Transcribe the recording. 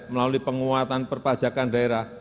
melalui penguatan perpajakan daerah